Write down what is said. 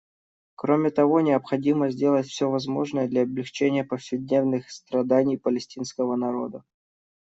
Кроме того, необходимо сделать все возможное для облегчения повседневных страданий палестинского народа.